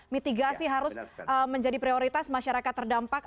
mitigasi harus menjadi prioritas masyarakat terdampak